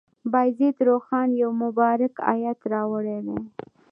بایزید روښان یو مبارک آیت راوړی دی.